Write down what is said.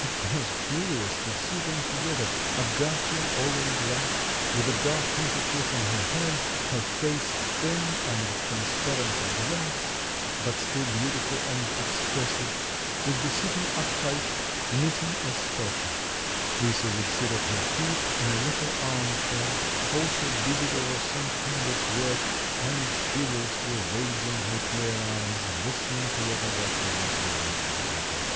It was curious to see them together. Agafya, all in black, with a dark handkerchief on her head, her face thin and transparent as wax, but still beautiful and expressive, would be sitting upright, knitting a stocking; Lisa would sit at her feet in a little arm chair, also busied over some kind of work, and seriously raising her clear eyes, listening to what Agafya was relating to her.